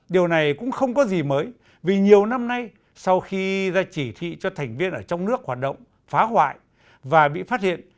điều này cũng không có gì mới vì nhiều năm nay sau khi ra chỉ thị cho thành viên ở trong nước hoạt động phá hoại và bị phát hiện